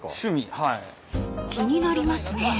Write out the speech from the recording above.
［気になりますね］